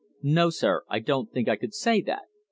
No, sir; I don't think I could say that.